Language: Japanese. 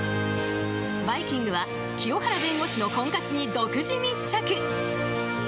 「バイキング」は清原弁護士の婚活に独自密着。